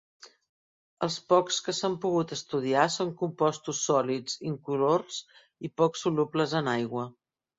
Els pocs que s'han pogut estudiar són compostos sòlids, incolors i poc solubles en aigua.